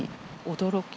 驚き？